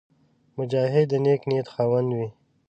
مجاهد د نېک نیت خاوند وي.